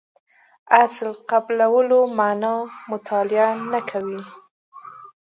اصل قبلولو معنا مطالعه نه کوو.